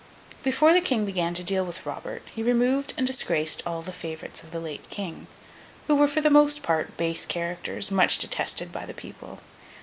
Before the King began to deal with Robert, he removed and disgraced all the favourites of the late King; who were for the most part base characters, much detested by the people.